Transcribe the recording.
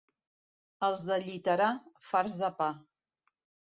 Els de Lliterà, farts de pa.